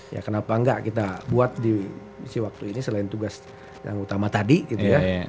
ya kenapa enggak kita buat di misi waktu ini selain tugas yang utama tadi gitu ya